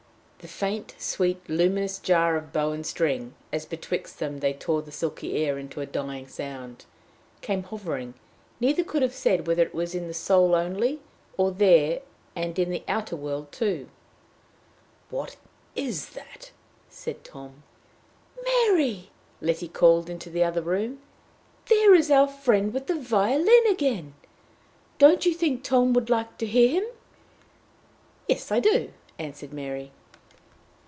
The faint, sweet, luminous jar of bow and string, as betwixt them they tore the silky air into a dying sound, came hovering neither could have said whether it was in the soul only, or there and in the outer world too. "What is that?" said Tom. "Mary!" Letty called into the other room, "there is our friend with the violin again! Don't you think Tom would like to hear him?" "Yes, I do," answered Mary.